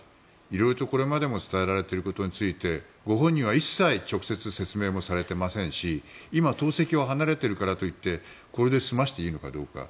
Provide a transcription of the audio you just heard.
色々とこれまでも伝えられていることについてご本人は一切、直接説明もされていませんし今、党籍を離れているからといってこれで済ましていいのかどうか。